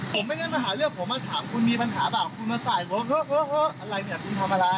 ผมไม่งั้นมาหาเรื่องผมมาถามคุณมีปัญหาเปล่าคุณมาใส่ผมเพราะอะไรเนี่ยคุณทำอะไร